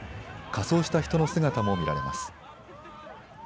仮装した人の姿も見られます。